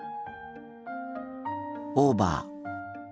オーバー。